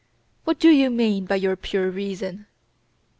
"What do you mean by your pure reason?"